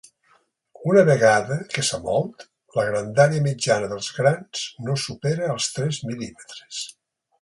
Una vegada que s'ha mòlt, la grandària mitjana dels grans no supera els tres mil·límetres.